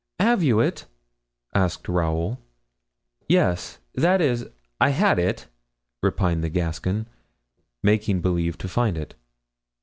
"Have you it?" asked Raoul "Yes—that is, I had it," repined the Gascon, making believe to find it.